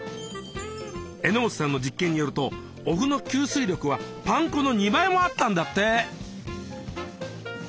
榎本さんの実験によるとお麩の吸水力はパン粉の２倍もあったんだって！